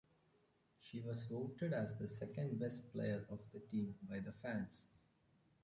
She was voted as the second best player of the team by the fans.